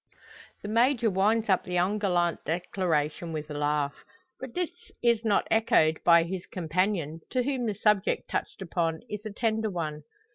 The Major winds up the ungallant declaration with a laugh. But this is not echoed by his companion, to whom the subject touched upon is a tender one.